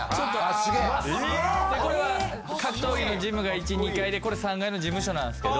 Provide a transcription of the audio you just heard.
・すげえ・これは格闘技のジムが１２階でこれ３階の事務所なんすけど。